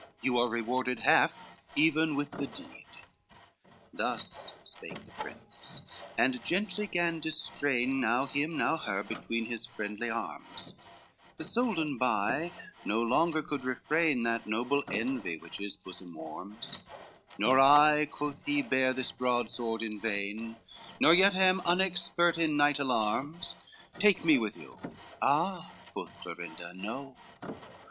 You are rewarded half even with the deed." XII Thus spake the prince, and gently 'gan distrain, Now him, now her, between his friendly arms: The Soldan by, no longer could refrain That noble envy which his bosom warms, "Nor I," quoth he, "bear this broad sword in vain, Nor yet am unexpert in night alarms, Take me with you: ah." Quoth Clorinda, "no!